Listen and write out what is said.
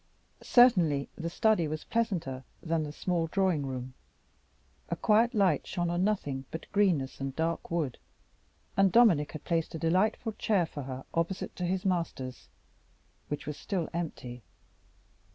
Certainly the study was pleasanter than the small drawing room. A quiet light shone on nothing but greenness and dark wood, and Dominic had placed a delightful chair for her opposite to his master's, which was still empty.